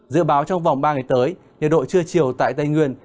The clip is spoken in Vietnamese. dự báo trong vòng ba ngày tới nhiệt độ trưa chiều tại tây nguyên